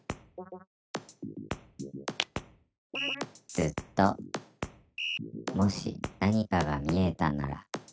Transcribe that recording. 「ずっと」「もし何かが見えたなら」